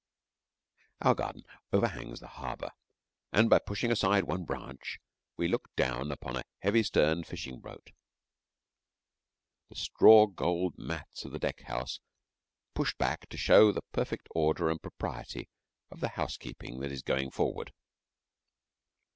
Our garden overhangs the harbour, and by pushing aside one branch we look down upon a heavy sterned fishing boat, the straw gold mats of the deck house pushed back to show the perfect order and propriety of the housekeeping that is going forward.